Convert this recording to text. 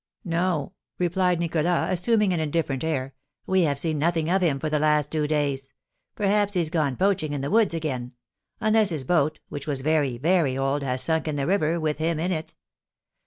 "No," replied Nicholas, assuming an indifferent air; "we have seen nothing of him for the last two days. Perhaps he's gone poaching in the woods again; unless his boat, which was very, very old, has sunk in the river, with him in it."